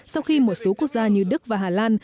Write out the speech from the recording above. sau khi một số quốc gia như đức và hà lan